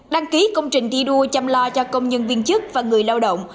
đăng ký công trình thi đua chăm lo cho công nhân viên chức và người lao động